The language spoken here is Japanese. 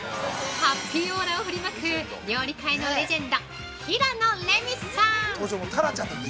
◆ハッピーオーラを振りまく料理界のレジェンド平野レミさん！